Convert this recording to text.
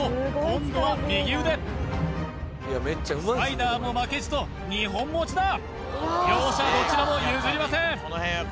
今度は右腕スパイダーも負けじと２本持ちだ両者どちらも譲りません